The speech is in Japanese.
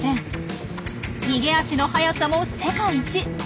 逃げ足の速さも世界一！